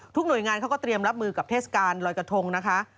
หน่วยงานเขาก็เตรียมรับมือกับเทศกาลลอยกระทงนะคะ